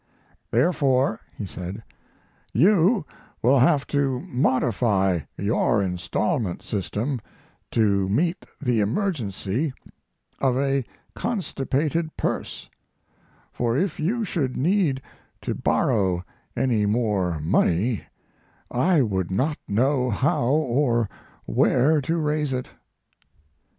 "Therefore," he said, "you will have to modify your instalment system to meet the emergency of a constipated purse; for if you should need to borrow any more money I would not know how or where to raise it."